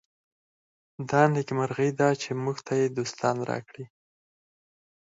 دا نېکمرغي ده چې موږ ته یې دوستان راکړي.